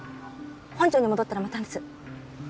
本庁に戻ったらまた話す。